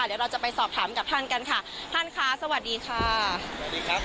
เดี๋ยวเราจะไปสอบถามกับท่านกันค่ะท่านค่ะสวัสดีค่ะสวัสดีครับ